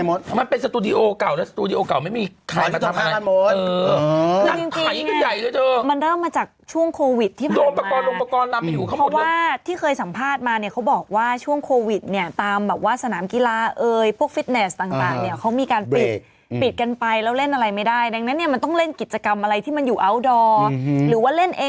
หมดมีความเผาจำว่ามีคนบอกว่าอู๋ผลออนนท์จะไปแกล้งเด็กรึเปล่าเออนอลนท์จะไปจ่ายเงินเค้าถูกหรือเปล่า